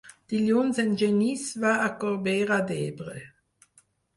Dilluns en Genís va a Corbera d'Ebre.